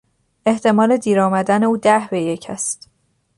احتمال دیر آمدن او ده به یک است.